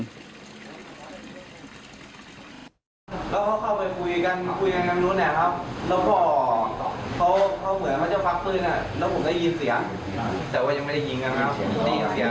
แล้วเขาเข้าไปคุยกันคุยกันกันนู้นเนี่ยครับแล้วพอเขาเหมือนมันจะพักปื้นเนี่ยแล้วผมได้ยินเสียง